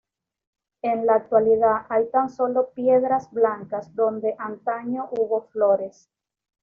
En la actualidad hay tan sólo piedras blancas donde antaño hubo flores.